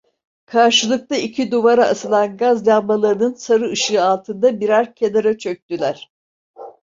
Karşılıklı iki duvara asılan gaz lambalarının sarı ışığı altında birer kenara çöktüler.